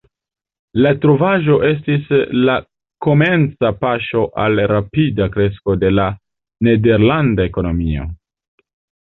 La trovaĵo estis la komenca paŝo al rapida kresko de la nederlanda ekonomio.